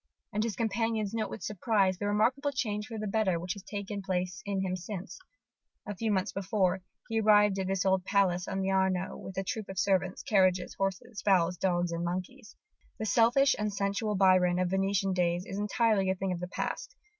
And his companions note with surprise the remarkable change for the better which has taken place in him since, a few months before, he arrived at this old palace on the Arno with a troop of servants, carriages, horses, fowls, dogs, and monkeys. The selfish and sensual Byron of Venetian days is entirely a thing of the past.